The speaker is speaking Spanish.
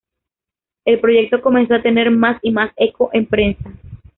El proyecto comenzó a tener más y más eco en prensa.